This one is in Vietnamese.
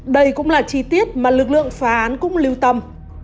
đây cũng là chi tiết mà lực lượng phá án cũng lưu tâm